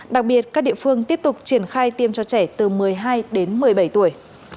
đặc biệt các địa phương tiếp tục triển khai tiêm cho trẻ từ một mươi hai đến một mươi bảy tuổi